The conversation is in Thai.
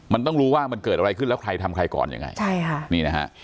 มันต้องรู้ว่ามันเกิดอะไรขึ้นแล้วใครทำใครก่อนอย่างไร